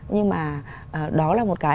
nhưng mà đó là một cái